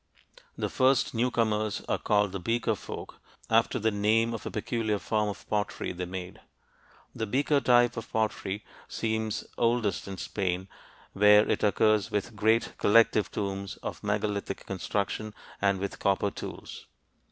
The first newcomers are called the Beaker folk, after the name of a peculiar form of pottery they made. The beaker type of pottery seems oldest in Spain, where it occurs with great collective tombs of megalithic construction and with copper tools.